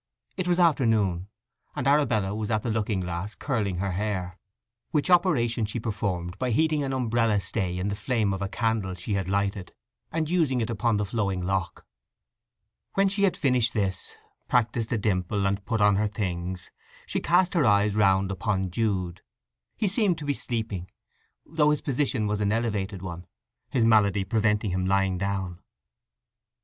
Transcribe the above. It was afternoon, and Arabella was at the looking glass curling her hair, which operation she performed by heating an umbrella stay in the flame of a candle she had lighted, and using it upon the flowing lock. When she had finished this, practised a dimple, and put on her things, she cast her eyes round upon Jude. He seemed to be sleeping, though his position was an elevated one, his malady preventing him lying down.